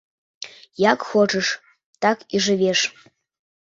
Як хочаш, так і жывеш.